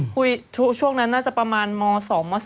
ช่วงนั้นน่าจะประมาณม๒ม๓